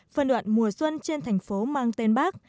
phân đoạn mùa xuân trên thành phố mang tên bác